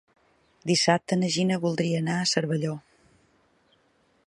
Dissabte na Gina voldria anar a Cervelló.